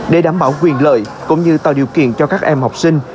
để đảm bảo quyền lợi cũng như tạo điều kiện cho các em học sinh